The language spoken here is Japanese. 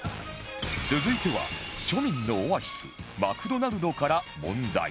続いては庶民のオアシスマクドナルドから問題